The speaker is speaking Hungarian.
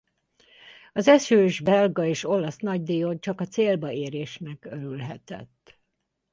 Az esős Belga-és Olasz Nagydíjon csak a célba érésnek örülhetett.